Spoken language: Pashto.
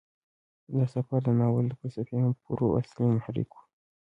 دا سفر د ناول د فلسفي مفکورو اصلي محرک و.